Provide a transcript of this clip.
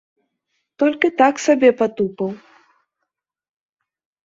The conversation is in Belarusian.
Толькі так сабе патупаў.